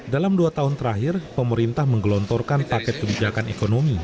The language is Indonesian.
dalam dua tahun terakhir pemerintah menggelontorkan paket kebijakan ekonomi